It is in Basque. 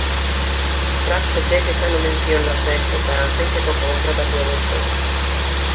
Ratchettek esan omen zion nor zen, eta zaintzeko kontratatu omen zuen.